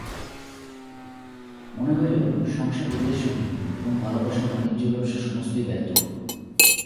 মনে হইল, সংসার উদ্দেশ্যহীন এবং ভালোবাসা ও বাণিজ্যব্যবসা সমস্তই ব্যর্থ।